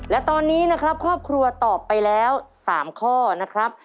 และตอนนี้นะครับครอบครัวตอบไปแล้ว๓ข้อนะครับ